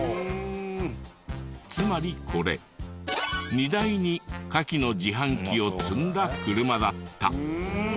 つまりこれ荷台にカキの自販機を積んだ車だった。